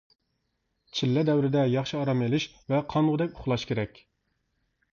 چىللە دەۋرىدە ياخشى ئارام ئېلىش ۋە قانغۇدەك ئۇخلاش كېرەك.